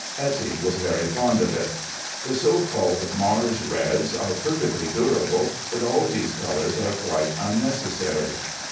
Etty was very fond of it. The so called Mars reds are perfectly durable, but all these colors are quite unnecessary.